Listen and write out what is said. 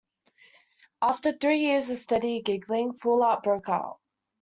After three years of steady gigging, Fallout broke up.